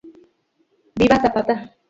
Viva Zapata.